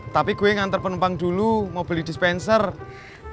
tapi gue nganter penumpang dulu mau beli bantuan